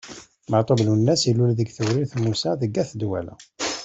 Meɛtub Lwennas ilul deg Tewrirt Musa deg At Dwala.